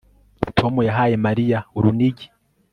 Tom yahaye Mariya urunigi